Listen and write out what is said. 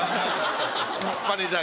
マネジャーが。